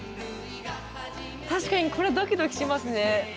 確かにこれはドキドキしますね。